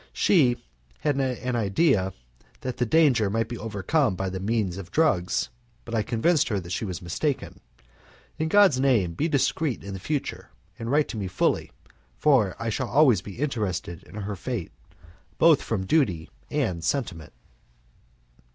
She had an idea that the danger might be overcome by means of drugs but I convinced her that she was mistaken. In God's name, be discreet in the future, and write to me fully, for I shall always be interested in her fate, both from duty and sentiment."